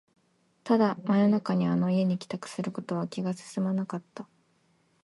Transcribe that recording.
ただ、真夜中にあの家に帰宅することは気が進まなかった